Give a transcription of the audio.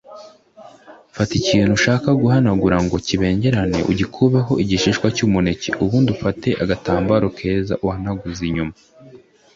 Fata ikintu ushaka guhanagura ngo kibengerane ugikubeho igishishwa cy’umuneke ubundi ufate agatambaro keza uhanaguze inyuma